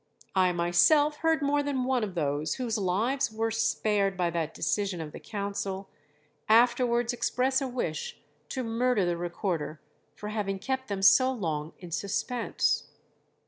I myself heard more than one of those whose lives were spared by that decision of the council, afterwards express a wish to murder the Recorder for having kept them so long in suspense."